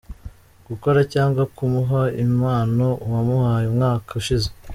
Gukora cyangwa kumuha impano wamuhaye umwaka ushize.